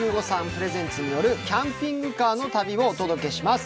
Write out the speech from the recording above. プレゼンツによるキャンピングカーの旅をお届けします。